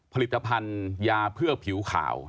ผลิตภัณฑ์ยาเพื่อผิวขาว